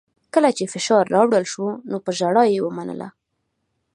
کله چې فشار راوړل شو نو په ژړا یې ومنله